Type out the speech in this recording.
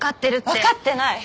わかってない！